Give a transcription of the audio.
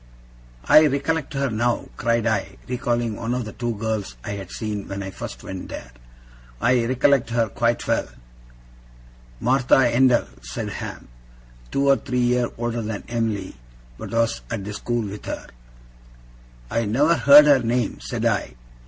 'I recollect her now!' cried I, recalling one of the two girls I had seen when I first went there. 'I recollect her quite well!' 'Martha Endell,' said Ham. 'Two or three year older than Em'ly, but was at the school with her.' 'I never heard her name,' said I.